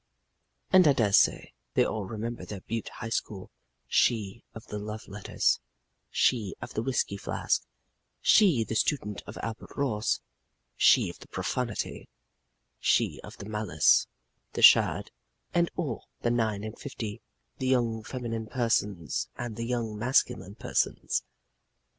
"And I daresay they all remember their Butte High School she of the love letters, she of the whiskey flask, she the student of Albert Ross, she of the profanity, she of the malice, The Shad, and all the nine and fifty, the young feminine persons and the young masculine persons.